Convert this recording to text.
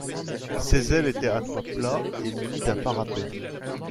Ces ailes étaient à toit plat et munies d'un parapet.